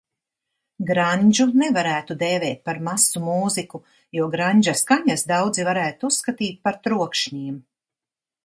Grandžu nevarētu dēvēt par masu mūziku, jo grandža skaņas daudzi varētu uzskatīt par trokšņiem.